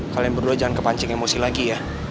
kalian berdua jangan kepancing emosi lagi ya